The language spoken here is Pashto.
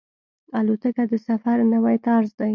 الوتکه د سفر نوی طرز دی.